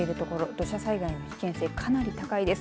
土砂災害の危険性がかなり高いです。